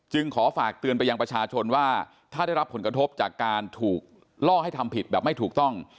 ขอฝากเตือนไปยังประชาชนว่าถ้าได้รับผลกระทบจากการถูกล่อให้ทำผิดแบบไม่ถูกต้อง